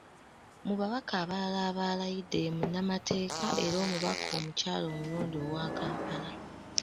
Mu babaka abalala abalayidde ye munnamateeka era omubaka omukyala omulonde owa Kampala.